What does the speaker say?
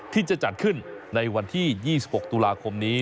ที่จะจัดขึ้นในวันที่๒๖ตุลาคมนี้